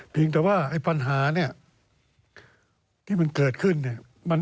เพียงแต่ว่าปัญหานี่ที่มันเกิดขึ้น